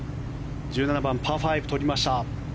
１７番、パー５取りました。